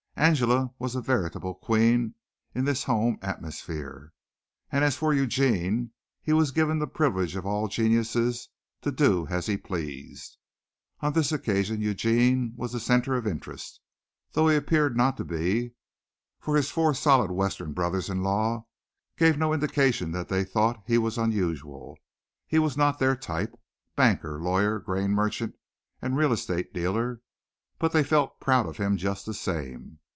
Angela was a veritable queen in this home atmosphere; and as for Eugene, he was given the privilege of all geniuses to do as he pleased. On this occasion Eugene was the centre of interest, though he appeared not to be, for his four solid Western brothers in law gave no indication that they thought he was unusual. He was not their type banker, lawyer, grain merchant and real estate dealer but they felt proud of him just the same.